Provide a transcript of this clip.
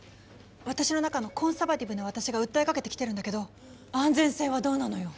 私の中のコンサバティブな私が訴えかけてきてるんだけど安全性はどうなのよ。